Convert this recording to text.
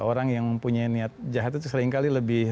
orang yang mempunyai niat jahat itu seringkali lebih